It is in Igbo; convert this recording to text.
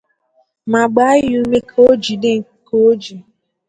ma gbàá ya ume ka o jide ka o ji.